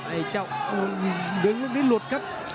ไอ้เจ้าดึงนิดหนึ่งหลุดครับ